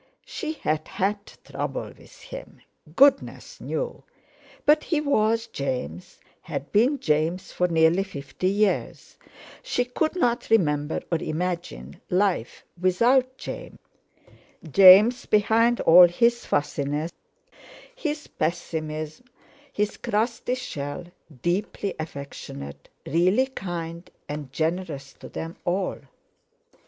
She had "had trouble" with him, Goodness knew; but he was James, had been James for nearly fifty years; she couldn't remember or imagine life without James—James, behind all his fussiness, his pessimism, his crusty shell, deeply affectionate, really kind and generous to them all!